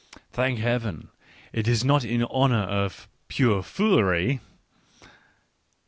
Thank Heaven, it is not in honour of " pure foolery "